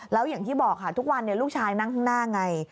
แล้วอย่างที่บอกค่ะทุกวันลูกชายนั่งข้างหน้าไง